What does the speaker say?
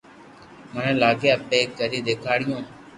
مني لاگي اپي ڪري ديکاڙيو